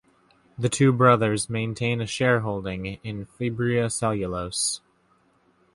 The two brothers maintain a shareholding in Fibria Cellulose.